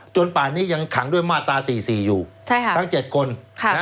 จนป่านนี้ยังขังด้วยมาตราสี่สี่อยู่ใช่ค่ะทั้งเจ็ดคนครับ